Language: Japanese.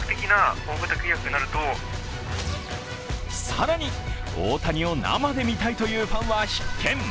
更に、大谷を生で見たいというファンは必見。